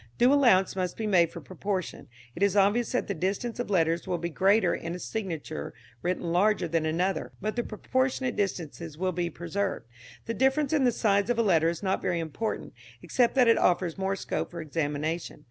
Due allowance must be made for proportion. It is obvious that the distance of letters will be greater in a signature written larger than another, but the proportionate distances will be preserved. The difference in the size of a letter is not very important, except that it offers more scope for examination.